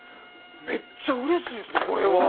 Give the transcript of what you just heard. めっちゃうれしいです、これは。